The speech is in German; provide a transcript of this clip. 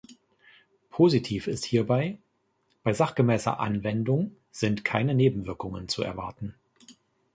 Positiv ist hierbei: Bei sachgemäßer Anwendung sind keine Nebenwirkungen zu erwarten.